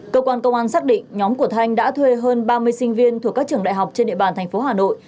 cơ quan công an xác định nhóm của thanh đã thuê hơn ba mươi sinh viên thuộc các trường đại học trên địa bàn tp hà nội